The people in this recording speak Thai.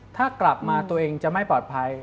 ถ้ากลับมาตัวเองจะไม่ปลอดภัย